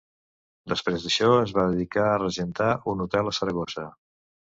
Després d'això es va dedicar a regentar un hotel a Saragossa.